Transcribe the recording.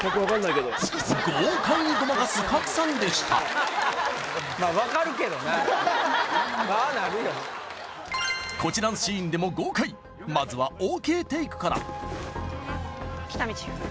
豪快にごまかす賀来さんでしたああなるよなこちらのシーンでも豪快まずはＯＫテイクから喜多見チーフ？